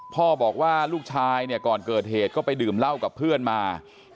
พ่อบอกว่าลูกชายเนี่ยก่อนเกิดเหตุก็ไปดื่มเหล้ากับเพื่อนมา